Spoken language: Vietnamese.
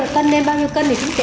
cân lên bao nhiêu cân để tính tiền